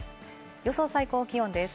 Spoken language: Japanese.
予想最高気温です。